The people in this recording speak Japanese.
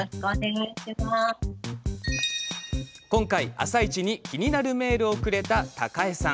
今回「あさイチ」にキニナルメールをくれたたかえさん。